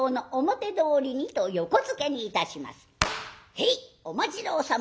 「へい！お待ち遠さま」。